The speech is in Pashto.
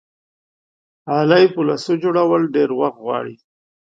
غلۍ په لاسو جوړول ډېر وخت غواړي.